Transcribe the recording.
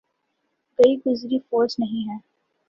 گئی گزری فوج نہیں ہے۔